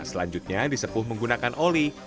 selanjutnya disepuh menggunakan oli